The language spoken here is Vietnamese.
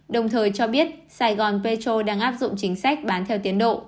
đồng thời cho biết sài gòn petro đang áp dụng chính sách bán theo tiến độ